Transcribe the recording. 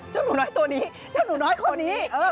หนูน้อยตัวนี้เจ้าหนูน้อยคนนี้